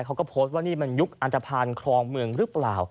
เขาก็โพสต์ว่านี่มันยุคอันตภัณฑ์ครองเมืองหรือเปล่า